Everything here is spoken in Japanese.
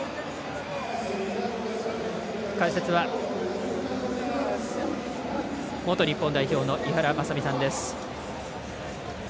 解説は元日本代表の井原正巳さんです。